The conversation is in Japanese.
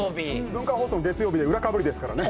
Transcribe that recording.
文化放送の月曜日で裏かぶりですからね。